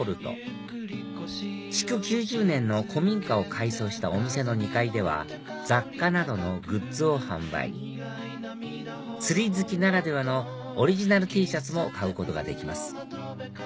築９０年の古民家を改装したお店の２階では雑貨などのグッズを販売釣り好きならではのオリジナルＴシャツも買うことができます